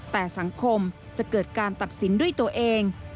แต่สังคมจะเกิดการตัดสินด้วยตัวเอง